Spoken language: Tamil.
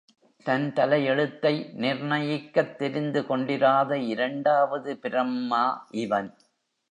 தன் தலையெழுத்தை நிர்ணயிக்கத் தெரிந்து கொண்டிராத இரண்டாவது பிரம்மா இவன்.